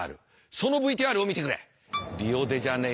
そのＶＴＲを見てくれ。